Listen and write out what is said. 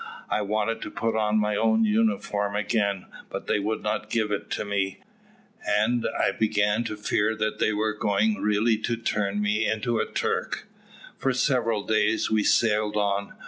I wanted to put on my own uniform again, but they would not give it to me, and I began to fear that they were going really to turn me into a Turk. "For several days we sailed on.